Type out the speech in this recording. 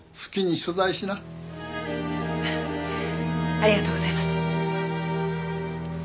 ありがとうございます。